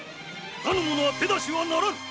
他の者は手出しはならぬ。